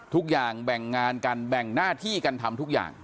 ทุกอย่างแบ่งงานกันแบ่งหน้าที่กันทำทุกอย่าง